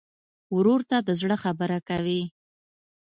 ورور ته د زړه خبره کوې.